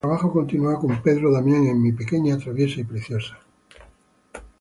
Su trabajo continua con Pedro Damián en "Mi pequeña traviesa" y "Preciosa".